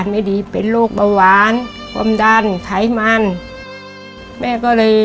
จะเป็นแบบนี้ตลอด๖๗ปี